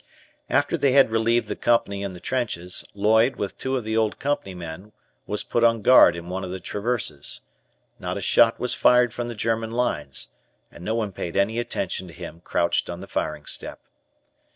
After they had relieved the Company in the trenches, Lloyd, with two of the old company men, was put on guard in one of the traverses. Not a shot was fired from the German lines, and no one paid any attention to him crouched on the firing step.